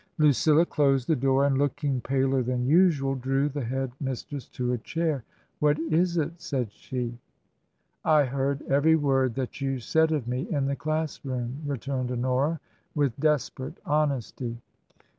Lucilla closed the door, and, looking paler than usual, drew the Head mistress to a chair. " What is it ?" said^she. " I heard every word that you said of me in the class room," returned Honora with desperate honesty.